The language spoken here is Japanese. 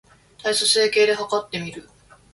体組成計で計ってみる